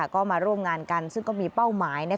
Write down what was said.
ก็มาร่วมงานกันซึ่งก็มีเป้าหมาย